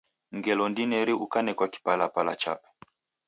Ngelo ndineri ukanekwa kipalapala chape.